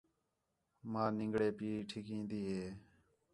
ماں نِنگڑے پی ٹِھکین٘دی ہے